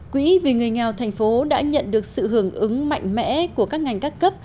quỹ vì người nghèo thành phố đã nhận được sự hưởng ứng mạnh mẽ của các ngành các cấp